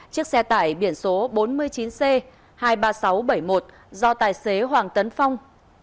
chiếc xe tải biển số bốn mươi chín c hai mươi ba nghìn sáu trăm bảy mươi một do tài xế hoàng tấn phong